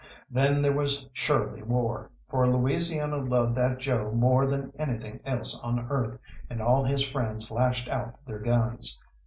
Then there was surely war, for Louisiana loved that Joe more than anything else on earth, and all his friends lashed out their guns.